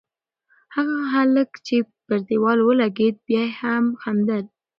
هغه هلک چې پر دېوال ولگېد، بیا یې هم خندل.